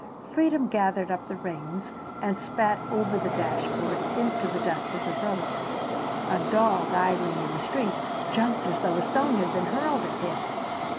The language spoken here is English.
Freedom gathered up the reins and spat over the dashboard into the dust of the road. A dog idling in the street jumped as though a stone had been hurled at him.